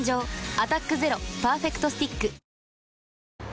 「アタックＺＥＲＯパーフェクトスティック」